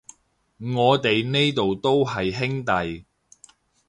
我哋呢度都係兄弟